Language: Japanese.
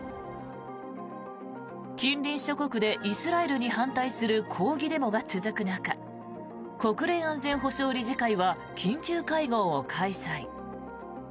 近隣諸国でイスラエルに反対する抗議デモが続く中国連安全保障理事会は緊急会合を開催。